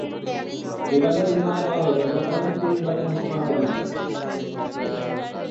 নির্বাচন বিধিমালায় বলা হয়েছে, কোনো প্যানেল ভিত্তিক নির্বাচন করা যাবে না।